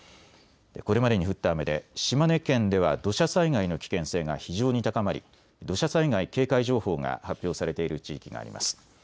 これまでに降った雨で島根県では土砂災害の危険性が非常に高まり土砂災害警戒情報が発表されている地域があります。